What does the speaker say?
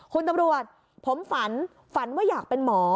คุณตำรวจผมฝันฝันว่าอยากเป็นหมอ